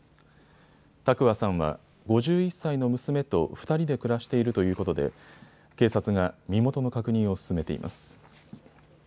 多久和さんは５１歳の娘と２人で暮らしているということで警察が身元の確認を進めています。